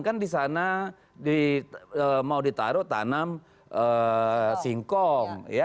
kan di sana mau ditaruh tanam singkong